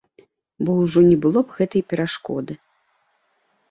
Бо ўжо не было б гэтай перашкоды.